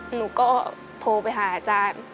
หนูก็โทรไปหาอาจารย์